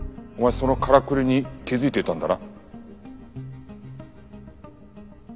そのからくりに気づいていたんだな？